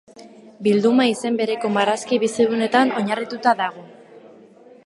Bilduma izen bereko marrazki bizidunetan oinarrituta dago.